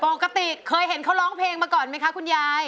ปกติเคยเห็นเขาร้องเพลงมาก่อนไหมคะคุณยาย